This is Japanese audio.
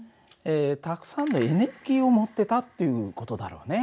たくさんのエネルギーを持ってたっていう事だろうね。